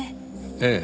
ええ。